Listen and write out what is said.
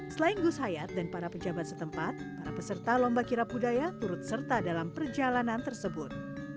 selain gus hayat dan para pejabat setempat para peserta lomba kirap budaya turut serta dalam perjalanan tersebut